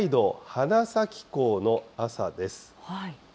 花咲港の朝です。